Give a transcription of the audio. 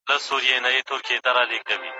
په سیالانو کي ناسیاله وه خوږ من وه